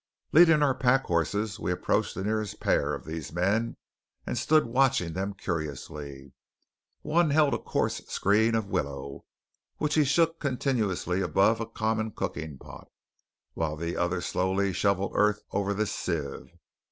Leading our pack horses we approached the nearest pair of these men, and stood watching them curiously. One held a coarse screen of willow which he shook continuously above a common cooking pot, while the other slowly shovelled earth over this sieve.